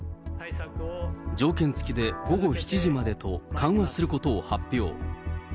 条件付きで午後７時までと緩和することを発表。